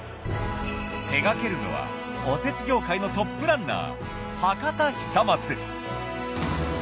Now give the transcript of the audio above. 手がけるのはおせち業界のトップランナー。